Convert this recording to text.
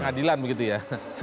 peradilan begitu ya